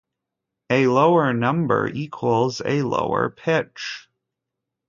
A lower number equals a lower pitch.